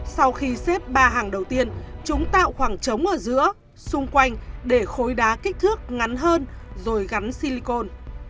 sau khi xếp ba hàng đầu tiên chúng tạo khoảng trống ở giữa xung quanh để khối đá kích thước ngắn hơn rồi gắn silicon